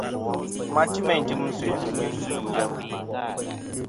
Ma ti meyn tim sœ̀ fɨnyuyn.